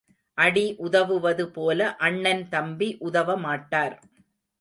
அடி உதவுவது போல அண்ணன் தம்பி உதவமாட்டார்.